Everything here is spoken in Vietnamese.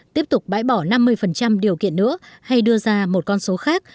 tiếp tục bãi bỏ năm mươi điều kiện nữa hay đưa ra một con số khác